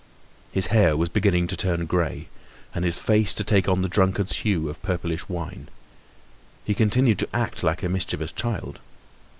His hair was beginning to turn grey and his face to take on the drunkard's hue of purplish wine. He continued to act like a mischievous child.